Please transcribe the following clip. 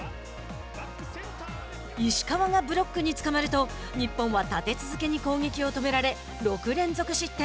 石川がブロックにつかまると日本は立て続けに攻撃を止められ６連続失点。